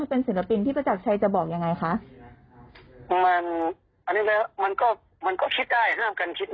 การมีกระแสในโลกโซเชียลนี้มันต้อง